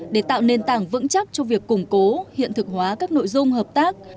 để tạo nền tảng vững chắc cho việc củng cố hiện thực hóa các nội dung hợp tác